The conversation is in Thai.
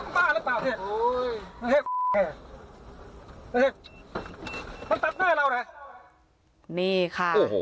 บ้าแล้วป่ะเฮ็ดโอ้ยน้าเฮ็ดน้าเฮ็ดมันตัดหน้าเรานะนี่ค่ะโอ้โห